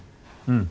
うん。